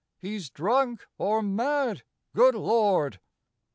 He's drunk or mad, good Lord!